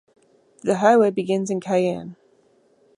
The highways begins in Cayenne.